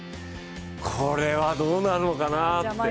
これはどうなるのかなって。